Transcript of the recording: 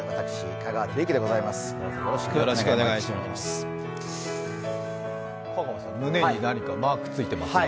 香川さん、胸に何かマークついてます。